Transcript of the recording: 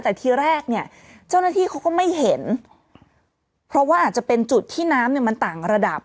แต่ทีแรกเนี่ยเจ้าหน้าที่เขาก็ไม่เห็นเพราะว่าอาจจะเป็นจุดที่น้ำเนี่ยมันต่างระดับ